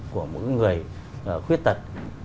của một người khuyết tật